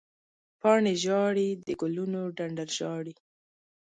پاڼې ژاړې، د ګلونو ډنډر ژاړې